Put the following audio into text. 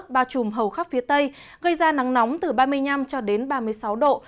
bao trùm hầu khắp phía tây gây ra nắng nóng từ ba mươi năm cho đến ba mươi sáu độ